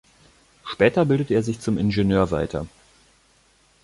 Später bildete er sich zum Ingenieur weiter.